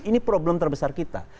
ini problem terbesar kita